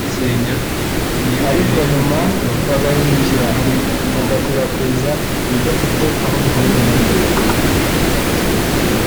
ariko nyuma bagahindukira bagakwirakwiza ibidafite aho bihuriye nayo